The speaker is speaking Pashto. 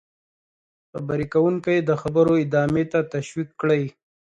-خبرې کوونکی د خبرو ادامې ته تشویق کړئ: